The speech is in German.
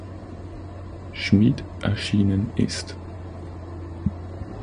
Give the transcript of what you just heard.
Schmid erschienen ist.